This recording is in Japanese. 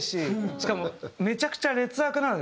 しかもめちゃくちゃ劣悪なので環境が。